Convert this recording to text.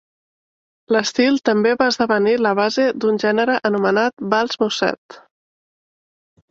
L'estil també va esdevenir la base d'un gènere anomenat vals musette.